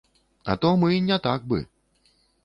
А то мы не так бы.